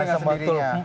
stop dengan sendirinya